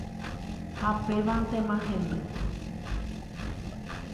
Ha pévantema hemby.